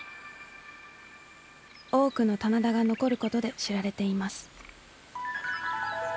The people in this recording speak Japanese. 多くの棚田が残ることで知られています。